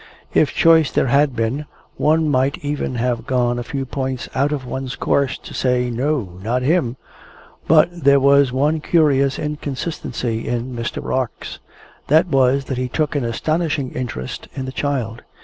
If choice there had been, one might even have gone a few points out of one's course, to say, "No! Not him!" But, there was one curious inconsistency in Mr. Rarx. That was, that he took an astonishing interest in the child.